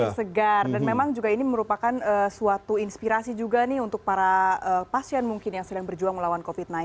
segar dan memang juga ini merupakan suatu inspirasi juga nih untuk para pasien mungkin yang sedang berjuang melawan covid sembilan belas